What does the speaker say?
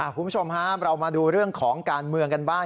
คุณผู้ชมครับเรามาดูเรื่องของการเมืองกันบ้าง